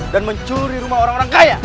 dan mencuri rumah orang orang kaya